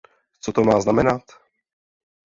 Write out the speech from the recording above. Co to má znamenat?